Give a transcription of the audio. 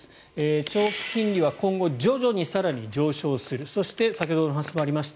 長期金利は今後、徐々に更に上昇するそして先ほどのお話にもありました